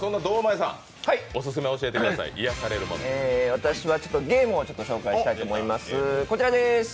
私はゲームを紹介したいと思います。